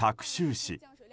市。